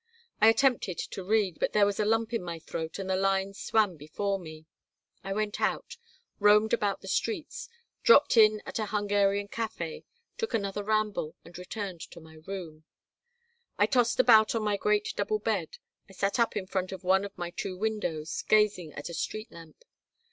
I attempted to read, but there was a lump in my throat and the lines swam before me I went out, roamed about the streets, dropped in at a Hungarian café, took another ramble, and returned to my room I tossed about on my great double bed. I sat up in front of one of my two windows, gazing at a street lamp.